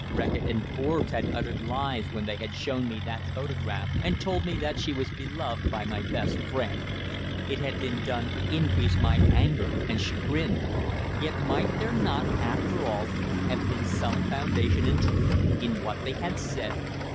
Reckitt and Forbes had uttered lies when they had shown me that photograph, and told me that she was beloved by my best friend. It had been done to increase my anger and chagrin. Yet might there not, after all, have been some foundation in truth in what they had said?